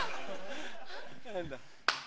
何だ？